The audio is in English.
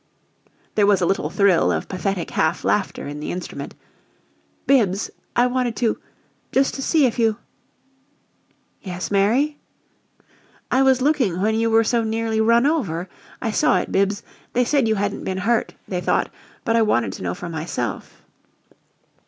There was a little thrill of pathetic half laughter in the instrument. "Bibbs I wanted to just to see if you " "Yes Mary?" "I was looking when you were so nearly run over. I saw it, Bibbs. They said you hadn't been hurt, they thought, but I wanted to know for myself."